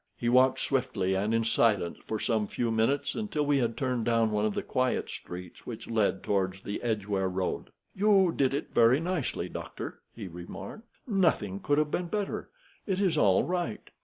He walked swiftly and in silence for some few minutes, until we had turned down one of the quiet streets which led toward the Edgeware Road. "You did it very nicely, doctor," he remarked. "Nothing could have been better. It is all right."